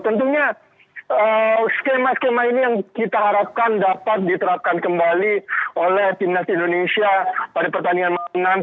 tentunya skema skema ini yang kita harapkan dapat diterapkan kembali oleh timnas indonesia pada pertandingan enam